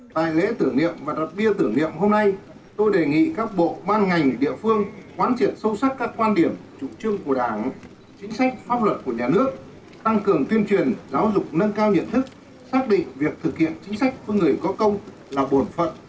tại lễ tưởng niệm và đặt bia tưởng niệm hôm nay tôi đề nghị các bộ ban ngành địa phương quán triệt sâu sắc các quan điểm chủ trương của đảng chính sách pháp luật của nhà nước tăng cường tuyên truyền giáo dục nâng cao nhận thức xác định việc thực hiện chính sách với người có công là bổn phận